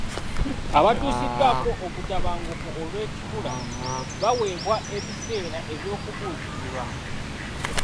Abatuusiddwako obutabanguko olw'ekikula baweebwa ebiseera eby'okubuulirirwa.